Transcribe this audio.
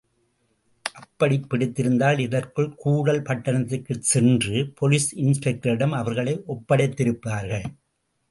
அப்படிப் பிடித்திருந்தால் இதற்குள் கூடல் பட்டணத்திற்குச் சென்று, போலீஸ் இன்ஸ்பெக்டரிடம் அவர்களை ஒப்படைத்திருப்பார்கள்.